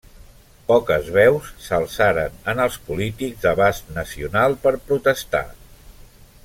Poques veus s'alçaren en els polítics d'abast nacional per protestar.